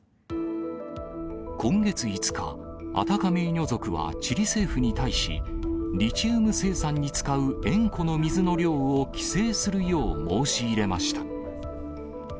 今月５日、アタカメーニョ族はチリ政府に対し、リチウム生産に使う塩湖の水の量を規制するよう申し入れました。